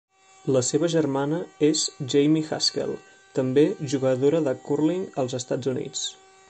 La seva germana és Jamie Haskell, també jugadora de cúrling als Estats Units.